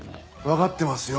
わかってますよ。